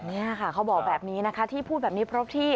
นี่ค่ะเขาบอกแบบนี้นะคะที่พูดแบบนี้เพราะที่